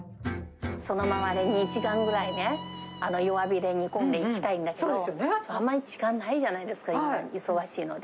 そのままで２時間ぐらいね、弱火で煮込んでいきたいんだけど、あまり時間ないじゃないですか、忙しいので。